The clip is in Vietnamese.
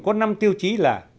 có năm tiêu chí là